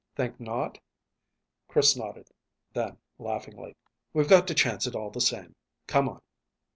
"Think not?" Chris nodded. Then laughingly "We've got to chance it all the same. Come on."